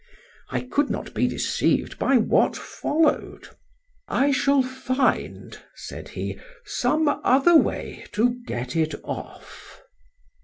I could not be deceived by what followed. "I shall find," said he, "some other way to get it off."